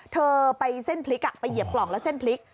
เธอไปเส้นพลิกไปเหยียบกล่องแล้วเส้นพลิก